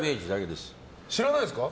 知らないですか？